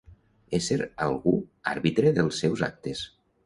Ésser, algú, àrbitre dels seus actes.